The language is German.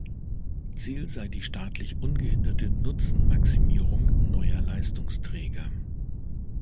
Ziel sei die staatlich ungehinderte Nutzenmaximierung neuer „Leistungsträger“.